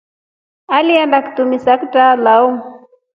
Aliinda kitumsa kitrao.